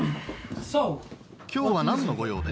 今日は何のご用で？